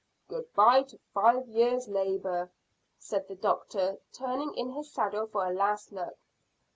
"Good bye to five years' labour," said the doctor, turning in his saddle for a last look.